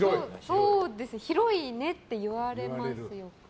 そうですね広いねって言われます。